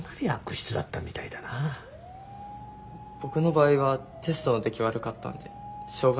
僕の場合はテストの出来悪かったんでしょうが